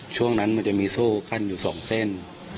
ช่วงนั้นมันจะมีโซ่ขั้นอยู่๒เส้น